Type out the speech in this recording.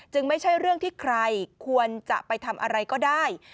ไม่ใช่เรื่องที่ใครควรจะไปทำอะไรก็ได้